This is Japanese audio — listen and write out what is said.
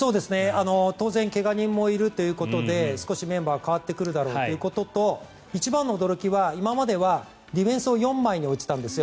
当然、怪我人もいるということで少しメンバーが変わってくるだろうということと一番の驚きは今まではディフェンスを４枚に置いていたんですよ。